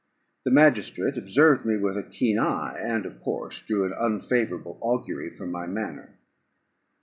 The magistrate observed me with a keen eye, and of course drew an unfavourable augury from my manner.